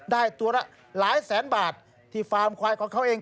ได้ตัวละหลายแสนบาทที่ฟาร์มควายของเขาเอง